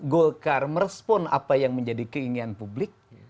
golkar merespon apa yang menjadi keinginan publik